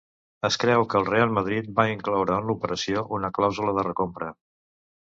Es creu que el Real Madrid va incloure en l'operació una clàusula de recompra.